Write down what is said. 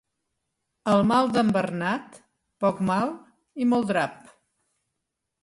El mal d'en Bernat, poc mal i molt drap.